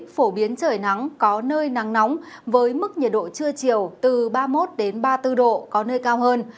phổ biến trời nắng có nơi nắng nóng với mức nhiệt độ trưa chiều từ ba mươi một ba mươi bốn độ có nơi cao hơn